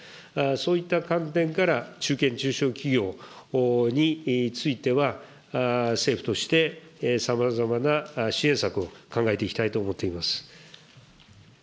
そういった観点から中堅・中小企業については、政府としてさまざまな支援策を考えていきたいと思っております。